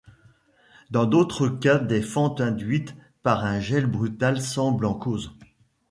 Dans d'autres cas des fentes induites par un gel brutal semblent en cause.